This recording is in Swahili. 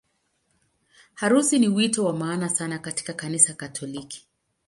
Harusi ni wito wa maana sana katika Kanisa Katoliki.